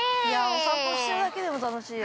◆お散歩してるだけでも楽しいよ。